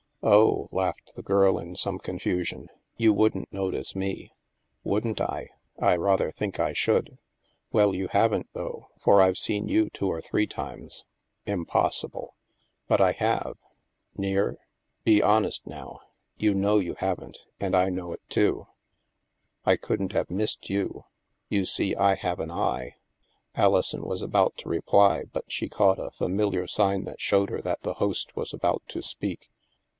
" Oh," laughed the girl in some confusion, " you wouldn't notice me." " Wouldn't I ? I rather think I should." "Well, you haven't, though, for I've seen you two or three times." " Impossible." " But I have." STILL WATERS 41 " Near? Be honest now. You know you haven't, and I know it too. I couldn't have missed you. You see, I have an eye." Alison was about to reply, but she caught a fa miliar sign that 'showed her that the host was about to speak.